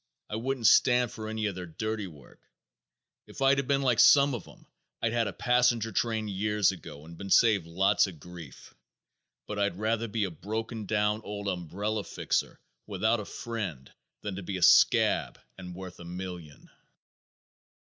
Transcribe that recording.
I wouldn't stand for any of their dirty work. If I'd been like some of 'em I'd had a passenger train years ago and been saved lots of grief. But I'd rather be a broken down old umbrella fixer without a friend than to be a scab and worth a million."